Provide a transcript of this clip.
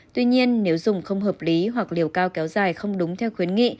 tuy nhiên nếu dùng không hợp lý hoặc liều cao kéo dài không đúng theo khuyến nghị